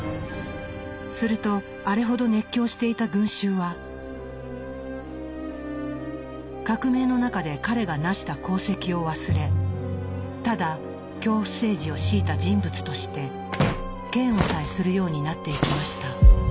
するとあれほど熱狂していた群衆は革命の中で彼がなした功績を忘れただ恐怖政治をしいた人物として嫌悪さえするようになっていきました。